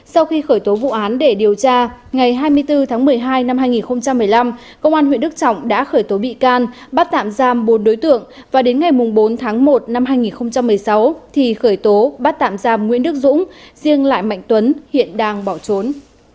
sau khi khởi tố vụ án để điều tra ngày hai mươi bốn tháng một mươi hai năm hai nghìn một mươi năm công an huyện đức trọng đã khởi tố bị can bắt tạm giam bốn đối tượng và đến ngày bốn tháng một năm hai nghìn một mươi sáu thì khởi tố bắt tạm giam nguyễn đức dũng riêng lại mạnh tuấn hiện đang bỏ trốn